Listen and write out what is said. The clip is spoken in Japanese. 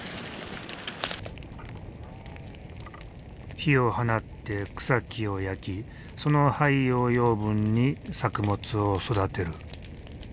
火を放って草木を焼きその灰を養分に作物を育てる。